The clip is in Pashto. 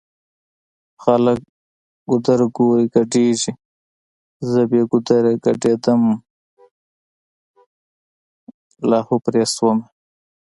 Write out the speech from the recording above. خلکه ګودرګوري ګډيږی زه بې ګودره ګډيدمه لا هو شومه